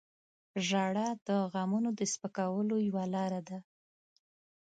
• ژړا د غمونو د سپکولو یوه لاره ده.